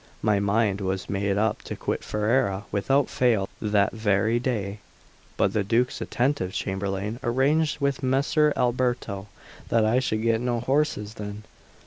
My mind was made up to quit Ferrara without fail that very day; but the Duke's attentive chamberlain arranged with Messer Alberto that I should get no horses then.